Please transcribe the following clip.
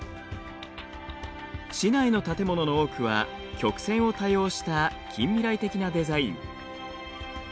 市内の建物の多くは曲線を多用した近未来的なデザイン。